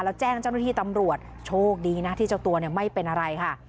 แล้วแจ้งเจ้าหน้าที่ตำรวจโชคดีนะที่เจ้าตัวเนี่ยไม่เป็นอะไรค่ะ